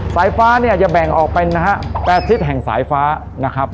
สายฟ้าเนี่ยจะแบ่งออกเป็นนะฮะ๘ทิศแห่งสายฟ้านะครับ